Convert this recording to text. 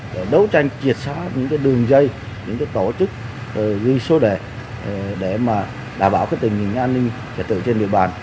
để đấu tranh triệt xóa những đường dây những tổ chức ghi số đề để đảm bảo tình hình an ninh trật tự trên địa bàn